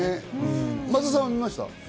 松田さんは見ました？